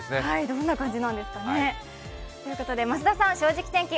どんな感じなんですかね、増田さん、「正直天気」